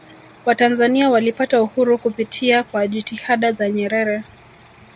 watanzania walipata uhuru kupitia kwa jitihada za nyerere